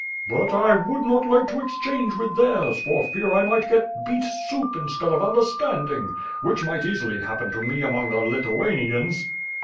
"But I would not like to exchange with theirs, for fear I might get beet soup instead of understanding; which might easily happen to me, among the Lithuanians."